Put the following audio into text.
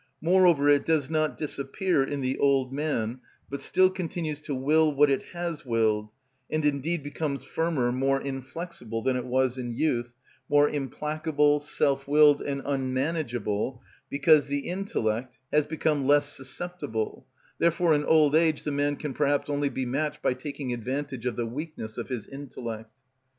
Moreover, it does not disappear in the old man, but still continues to will what it has willed, and indeed becomes firmer, more inflexible, than it was in youth, more implacable, self willed, and unmanageable, because the intellect has become less susceptible: therefore in old age the man can perhaps only be matched by taking advantage of the weakness of his intellect.